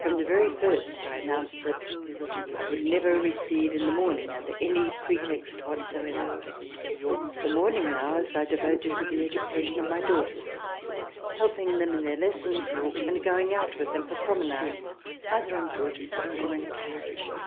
From the very first I announced that I would never receive in the morning under any pretext whatsoever. The morning hours I devoted to the education of my daughters, helping them in their lessons and going out with them for promenades, either on foot or in a carriage.